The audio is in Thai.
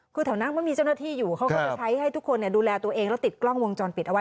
คือแถวนั้นมันมีเจ้าหน้าที่อยู่เขาก็จะใช้ให้ทุกคนดูแลตัวเองแล้วติดกล้องวงจรปิดเอาไว้